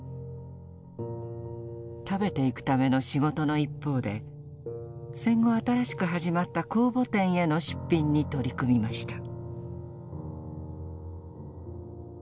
食べていくための仕事の一方で戦後新しく始まった公募展への出品に取り組みました。